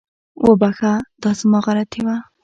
وبخښه، دا زما غلطي وه